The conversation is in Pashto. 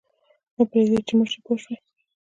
مه پرېږده چې مړ شې پوه شوې!.